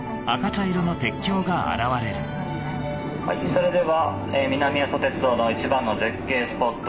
それでは南阿蘇鉄道の一番の絶景スポット